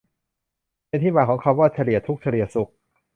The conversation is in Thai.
เป็นที่มาของคำว่า "เฉลี่ยทุกข์เฉลี่ยสุข"